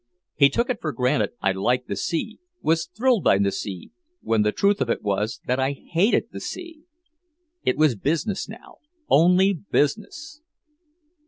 He took it for granted I liked the sea, was thrilled by the sea, when the truth of it was that I hated the sea! It was business now, only business!